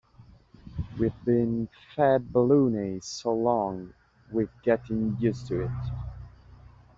We've been fed baloney so long we're getting used to it.